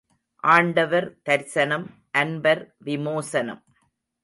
ஆண்டவர் தரிசனம் அன்பர் விமோசனம்.